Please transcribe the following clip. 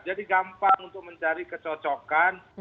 jadi gampang untuk mencari kecocokan